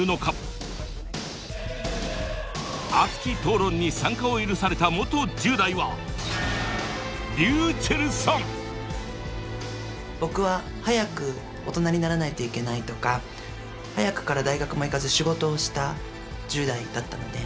熱き討論に参加を許された元１０代は僕は早く大人にならないといけないとか早くから大学も行かず仕事をした１０代だったので。